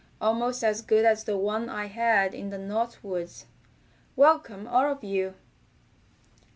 Almost as good as the one I had in the North Woods. Welcome all of you!"